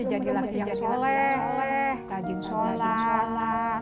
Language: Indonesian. itu artinya lo mesti jadi laksananya yang soleh rajin sholat